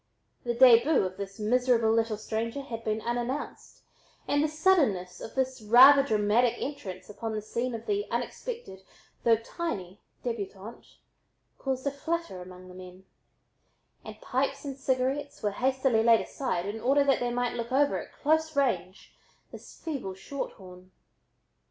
The "déboo" of this miserable little stranger had been unannounced and the suddenness of this rather dramatic entrance upon the scene of the unexpected, though tiny débutante, caused quite a flutter among the men, and pipes and cigarettes were hastily laid aside in order that they might look over at close range this "feeble short horn."